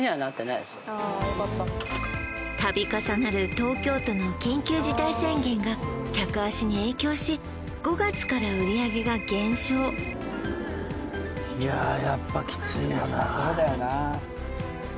度重なる東京都の緊急事態宣言が客足に影響し５月から売上が減少いややっぱきついよなそうだよな